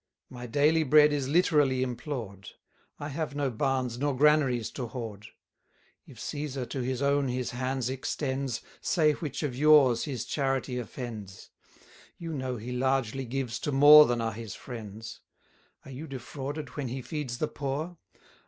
My daily bread is literally implored; I have no barns nor granaries to hoard. If Cæsar to his own his hand extends, Say which of yours his charity offends: 110 You know he largely gives to more than are his friends. Are you defrauded when he feeds the poor?